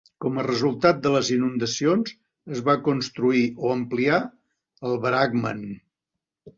Com a resultat de les inundacions, es va construir o ampliar el Braakman.